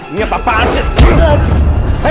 ini apaan sih